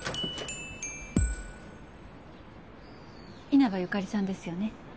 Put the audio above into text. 稲葉由香利さんですよね？